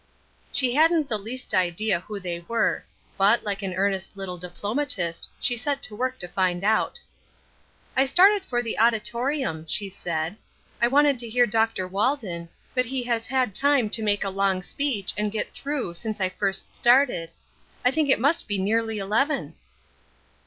She hadn't the least idea who they were, but, like an earnest little diplomatist, she set to work to find out. "I started for the auditorium," she said. "I wanted to hear Dr. Walden, but he has had time to make a long speech and get through since I first started. I think it must be nearly eleven."